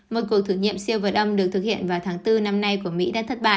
một cuộc thử nghiệm siêu vật âm được thực hiện vào tháng bốn năm nay của mỹ đã thất bại